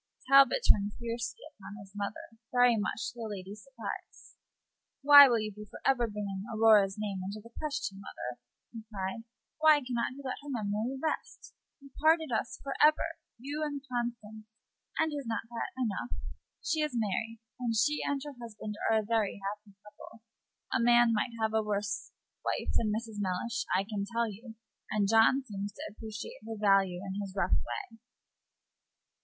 Talbot turned fiercely upon his mother, very much to the lady's surprise. "Why will you be for ever bringing Aurora's name into the question, mother?" he cried. "Why can not you let her memory rest? You parted us for ever you and Constance and is not that enough? She is married, and she and her husband are a very happy couple. A man might have a worse wife than Mrs. Mellish, I can tell you; and John seems to appreciate her value in his rough way."